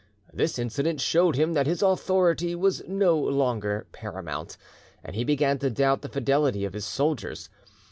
This incident showed him that his authority was no longer paramount, and he began to doubt the fidelity of his soldiers.